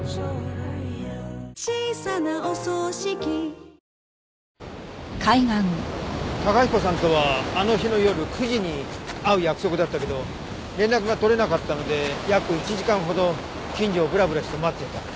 ピンポーン崇彦さんとはあの日の夜９時に会う約束だったけど連絡が取れなかったので約１時間ほど近所をブラブラして待っていた。